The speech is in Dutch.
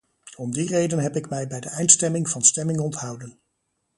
Om die reden heb ik mij bij de eindstemming van stemming onthouden.